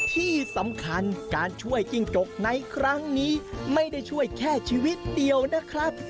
ที่สำคัญการช่วยจิ้งจกในครั้งนี้ไม่ได้ช่วยแค่ชีวิตเดียวนะครับ